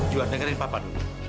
juan dengerin papa dulu